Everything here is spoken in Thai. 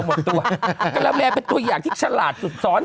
ก็แล้วแรงเป็นตัวอย่างที่ฉลาดสุดซ้อน